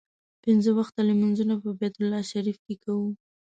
پنځه وخته لمونځونه په بیت الله شریف کې کوو.